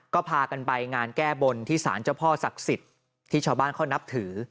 ก็พากันไปงานแก้บนที่สารเจ้าพ่อศักดิ์สิทธิ์ที่ชาวบ้านเขานับถือ